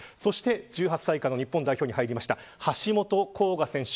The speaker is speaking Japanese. １８歳以下の日本代表に入った橋本航河選手。